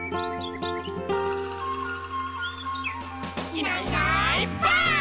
「いないいないばあっ！」